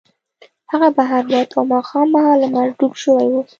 هغه بهر ووت او ماښام مهال لمر ډوب شوی و